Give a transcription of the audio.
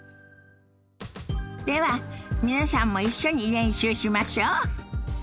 では皆さんも一緒に練習しましょ。